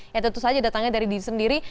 ya tentu saja datangnya dari diri sendiri